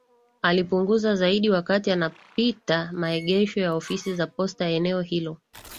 Alipunguza zaidi wakati anapita maegesho ya ofisi za posta eneo hilo